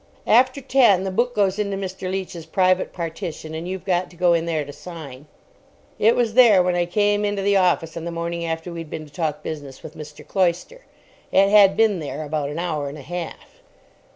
After ten the book goes into Mr. Leach's private partition, and you've got to go in there to sign. It was there when I came into the office on the morning after we'd been to talk business with Mr. Cloyster. It had been there about an hour and a half.